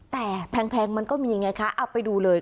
แต่แพงมันก็มีไงคะเอาไปดูเลย